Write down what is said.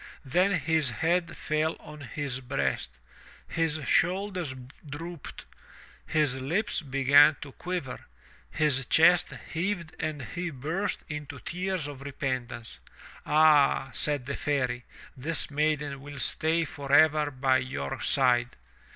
Then his head fell on his breast, his shoulders drooped, his lips began to quiver, his chest heaved and he burst into tears of repentance. "Ah," said the Fairy, "this maiden will stay forever by your side.